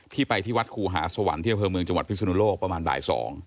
ไปที่วัดครูหาสวรรค์ที่อำเภอเมืองจังหวัดพิศนุโลกประมาณบ่าย๒